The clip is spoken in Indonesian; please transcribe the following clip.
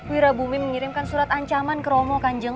wirabumi mengirimkan surat ancaman ke romo kanjeng